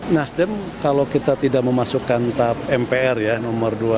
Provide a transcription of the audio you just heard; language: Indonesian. nasdem kalau kita tidak memasukkan tap mpr ya no dua puluh lima